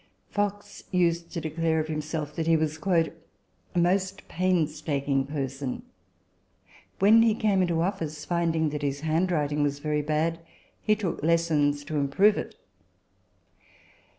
Fox used to declare of himself that he was " a most painstaking person." When he came into office, finding that his handwriting was very bad, he took lessons to improve it.